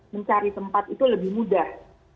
mencari tempat itu lebih mudah